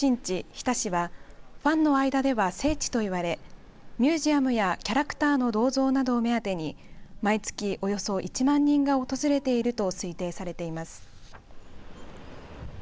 日田市はファンの間では聖地と言われミュージアムやキャラクターの銅像などを目当てに毎月およそ１万人が訪れていると推定されています。